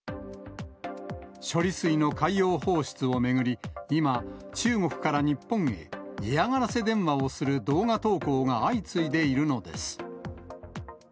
処理水の海洋放出を巡り、今、中国から日本へ嫌がらせ電話をする動画投稿が相次いでいるのです。